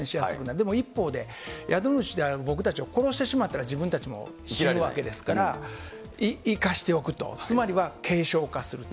でも一方で、宿主である僕たちを殺してしまったら自分たちも死ぬわけですから、生かしておくと、つまりは軽症化すると。